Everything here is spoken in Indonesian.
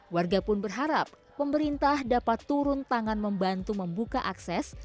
warga pun berharap pemerintah dapat turun tangan membantu membuka akses